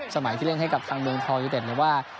ที่เล่นให้กับทางเมืองทองยูเต็ดเนี่ยว่า